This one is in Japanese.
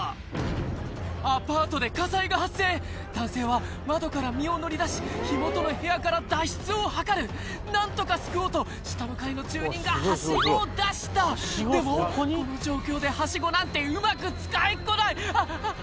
アパートで火災が発生男性は窓から身を乗り出し火元の部屋から脱出を図る何とか救おうと下の階の住人がハシゴを出したでもこの状況でハシゴなんてうまく使えっこないあっあっ